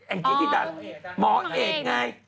อันนี้ที่ดาราหมอเอกไง